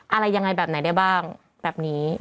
อะไรยังไงแบบไหนได้บ้างแบบนี้